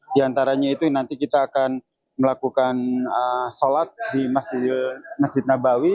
di antaranya itu nanti kita akan melakukan sholat di masjid nabawi